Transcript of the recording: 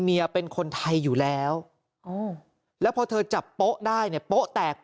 เมียเป็นคนไทยอยู่แล้วแล้วพอเธอจับโป๊ะได้เนี่ยโป๊แตก